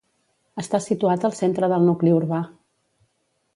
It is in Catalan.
Està situat al centre del nucli urbà.